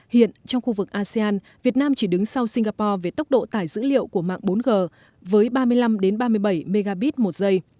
hiện trong khu vực asean việt nam chỉ đứng sau singapore về tốc độ tải dữ liệu của mạng bốn g với ba mươi năm ba mươi bảy mb một giây